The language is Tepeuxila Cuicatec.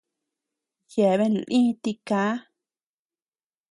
Yeabean lii tiká.